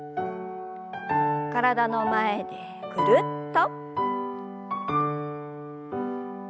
体の前でぐるっと。